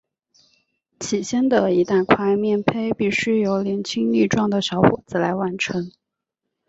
起先的一大块面培必须由年轻力壮的小伙子来完成。